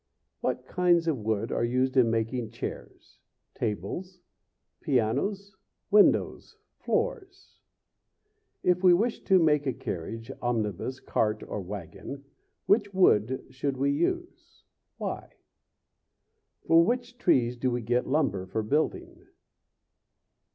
What kinds of wood are used in making chairs? tables? pianos? windows? floors? If we wish to make a carriage, omnibus, cart, or wagon, which wood should we use? Why? From which trees do we get lumber for building?